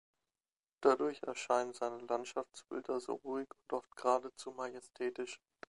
Dadurch erscheinen seine Landschaftsbilder so ruhig und oft geradezu majestätisch.